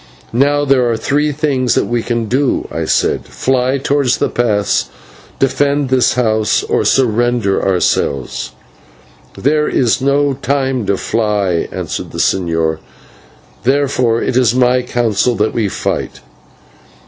"Now, there are three things that we can do," I said: "fly towards the pass; defend this house; or surrender ourselves." "There is no time to fly," answered the señor, "therefore it is my counsel that we fight."